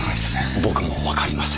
僕もわかりません。